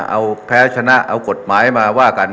เอาแพ้ชนะเอากฎหมายมาว่ากัน